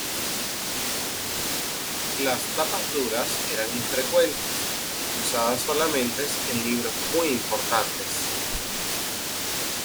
Las tapas duras eran infrecuentes, usadas solamente en libros muy importantes.